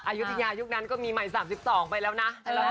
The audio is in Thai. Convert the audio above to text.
อายุทยายุคนั้นก็มีใหม่๓๒ไปแล้วนะ